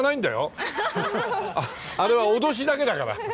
あれはおどしだけだから。